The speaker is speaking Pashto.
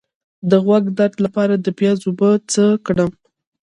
د غوږ درد لپاره د پیاز اوبه څه کړم؟